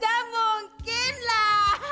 gak mungkin lah